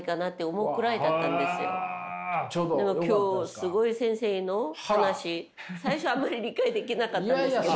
すごい先生の話最初あんまり理解できなかったんですけど。